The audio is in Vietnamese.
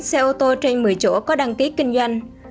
xe ô tô trên một mươi chỗ có đăng ký kinh doanh